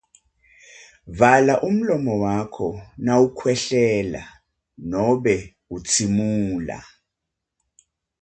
Vala umlomo wakho nawukhwehlela nobe utsimula.